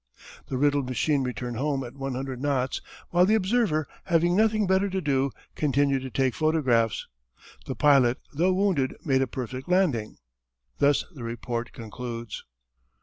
The riddled machine returned home at one hundred knots while the observer, having nothing better to do, continued to take photographs. "The pilot, though wounded, made a perfect landing" thus the report concludes.